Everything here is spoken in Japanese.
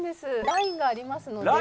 ラインがありますので。